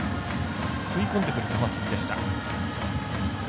食い込んでくる球筋でした。